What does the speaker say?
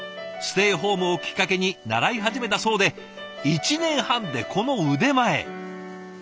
ステイホームをきっかけに習い始めたそうで１年半でこの腕前。